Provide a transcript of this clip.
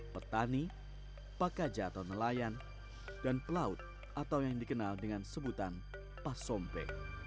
petani pakaja atau nelayan dan pelaut atau yang dikenal dengan sebutan pasompe